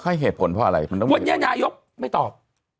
เพราะเนี้ยนายกไม่ตอบ